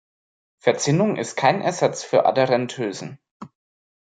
Verzinnung ist kein Ersatz für Aderendhülsen.